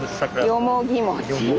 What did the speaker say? よもぎ餅。